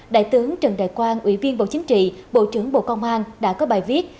đại tướng trần đại quang ủy viên bộ chính trị bộ trưởng bộ công an đã có bài viết